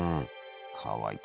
かわいい。